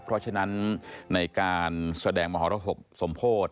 เพราะฉะนั้นในการแสดงมหาลักษมณ์สมโพธิ